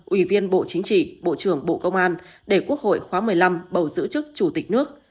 ủy viên bộ chính trị bộ trưởng bộ công an để quốc hội khóa một mươi năm bầu giữ chức chủ tịch nước